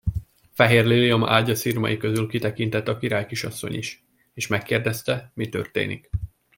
Fehér liliom ágya szirmai közül kitekintett a királykisasszony is, és megkérdezte, mi történik.